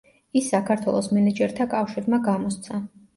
ის საქართველოს მენეჯერთა კავშირმა გამოსცა.